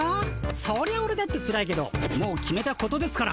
そりゃオレだってつらいけどもう決めたことですから。